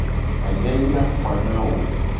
Ayayi la fa na wo.